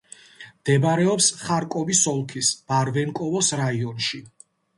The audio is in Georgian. მდებარეობს ხარკოვის ოლქის ბარვენკოვოს რაიონში.